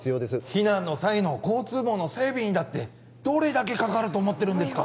避難の際の交通網の整備にだってどれだけかかると思ってるんですか